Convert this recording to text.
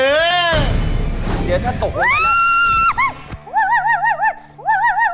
เดี๋ยวท่านตก